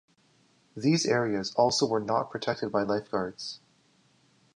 These areas also were not protected by lifeguards.